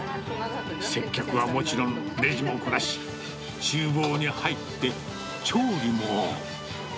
接客はもちろん、レジもこなし、ちゅう房に入って、調理も。